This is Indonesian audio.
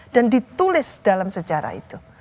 dan ditulis dalam sejarah itu